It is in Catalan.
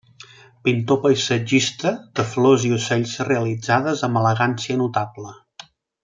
Pintor paisatgista, de flors i ocells realitzades amb elegància notable.